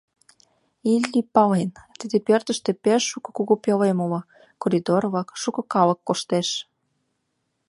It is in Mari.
Илли пален: тиде пӧртыштӧ пеш шуко кугу пӧлем уло, коридор-влак, шуко калык коштеш.